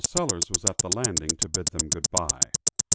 Sellers was at the landing to bid them good bye.